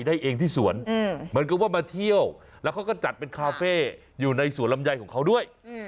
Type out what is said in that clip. ได้เองที่สวนเหมือนกับว่ามาเที่ยวแล้วเขาก็จัดเป็นคาเฟ่อยู่ในสวนลำไยของเขาด้วย